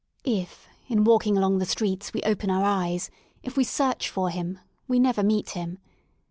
If, in walking along the streets we open our eyes> if we search for him, we never meet him.